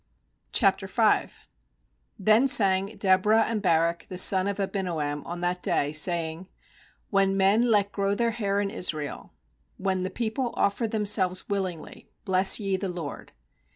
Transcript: EJ Then sang Deborah and Barak the son of Abinoam on that day, 2When men let grow their hair in Israel, When the people offer themselves willingly, Bless ye the LORD.